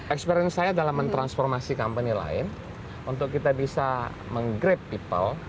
experience saya dalam mentransformasi company lain untuk kita bisa menggrab people